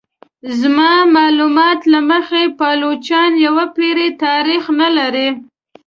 زما معلومات له مخې پایلوچان یوې پیړۍ تاریخ نه لري.